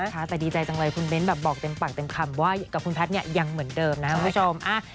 แต่ดีใจจังเลยคุณเบ้นบอกเต็มฝั่งเต็มคำว่ากับคุณแพทย์ยังเหมือนเดิมนะคุณผู้ชม